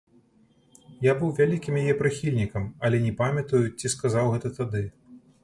Я быў вялікім яе прыхільнікам, але не памятаю, ці сказаў гэта тады.